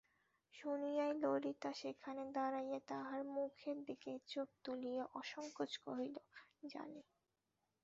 শুনিয়াই ললিতা সেখানে দাঁড়াইয়া তাঁহার মুখের দিকে চোখ তুলিয়া অসংকোচে কহিল, জানি।